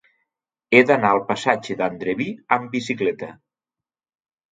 He d'anar al passatge d'Andreví amb bicicleta.